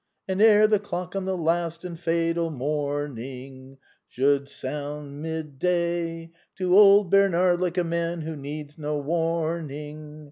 And ere the clock on the last and fatal morning Should sound mid day. To old Bernard, like a man who needs no warning.